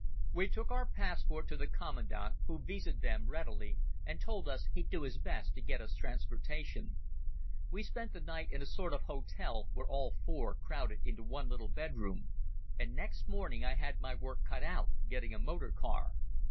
We took our passport to the commandant, who visaed them readily, and told us he'd do his best to get us transport. We spent the night in a sort of hotel, where all four crowded into one little bedroom, and next morning I had my work cut out getting a motor car.